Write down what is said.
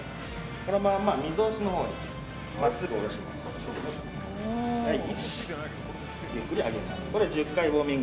このまま、みぞおちのほうに真っすぐ下ろします。